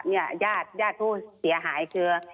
นี่ญาติผู้เสียหายเชื้อ